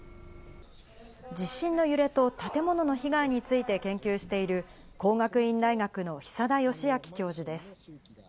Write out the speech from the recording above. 地震の揺れと建物の被害について研究している、工学院大学の久田嘉章教授です。